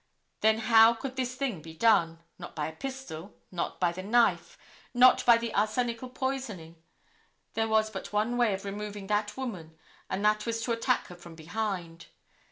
Then how could this thing be done? Not by the pistol, not by the knife, not by arsenical poisoning. There was but one way of removing that woman, and that was to attack her from behind.